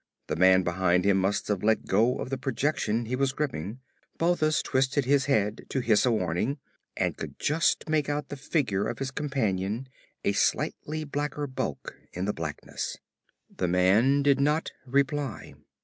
The man behind him must have let go of the projection he was gripping. Balthus twisted his head to hiss a warning, and could just make out the figure of his companion, a slightly blacker bulk in the blackness. The man did not reply.